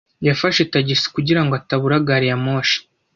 Yafashe tagisi kugira ngo atabura gari ya moshi.